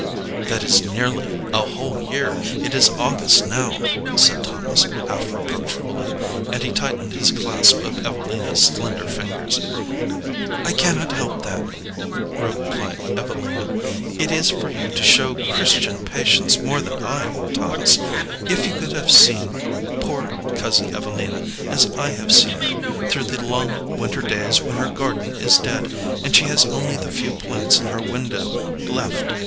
"That is nearly a whole year; it is August now," said Thomas, half reproachfully, and he tightened his clasp of Evelina's slender fingers. "I cannot help that," replied Evelina. "It is for you to show Christian patience more than I, Thomas. If you could have seen poor Cousin Evelina, as I have seen her, through the long winter days, when her garden is dead, and she has only the few plants in her window left!